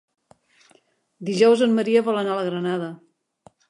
Dijous en Maria vol anar a la Granada.